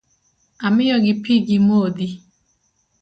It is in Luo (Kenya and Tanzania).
Amiyo gi pi gimodhi.